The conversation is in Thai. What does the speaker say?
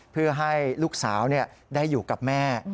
เพื่อให้ลูกสาวได้อยู่กับแม่